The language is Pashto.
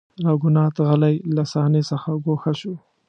راګونات غلی له صحنې څخه ګوښه شو.